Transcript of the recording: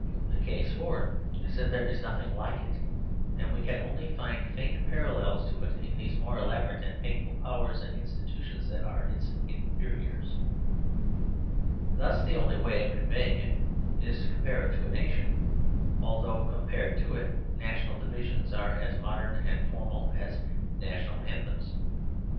For the case for it is that there is nothing like it; and we can only find faint parallels to it in those more elaborate and painful powers and institutions that are its inferiors. Thus the only way of conveying it is to com pare it to a nation ; although, compared to it. The Story of the Family 69 national divisions are as modern and formal as national anthems.